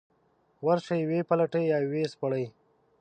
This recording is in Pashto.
ورشي ویې پلټي او ويې سپړي.